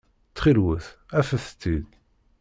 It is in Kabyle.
Ttxil-wet, afet-t-id.